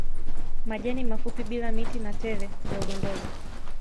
Majani mafupi bila miti na tele ndogondogo